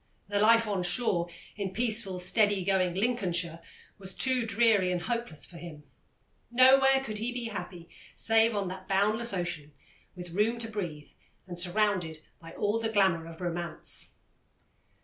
The life on shore, in peaceful, steady going Lincolnshire, was too dreary and hopeless for him; nowhere could he be happy save on that boundless ocean, with room to breathe, and surrounded by all the glamour of romance.